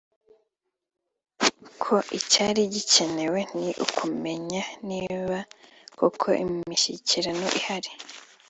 ko icyari gikenewe ni ukumenya niba koko imishyikirano ihari